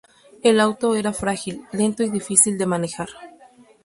El auto era frágil, lento y difícil de manejar.